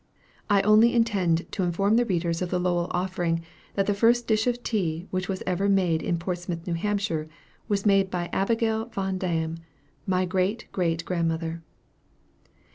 I only intend to inform the readers of the "Lowell Offering" that the first dish of tea which was ever made in Portsmouth, N. H., was made by Abigail Van Dame, my great great grandmother.